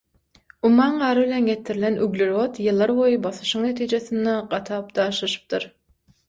Umman gary bilen getirilen uglerod ýyllar boýy basyşyň netijesinde gatap daşlaşypdyr